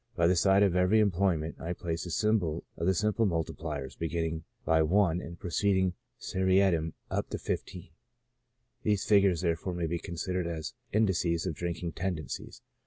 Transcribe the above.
By the side of every employment I placed a symbol of the simple multipliers, beginning by i, and proceeding seriatim up to 15 ; these figures, therefore, may be considered as indices of drinking tendencies.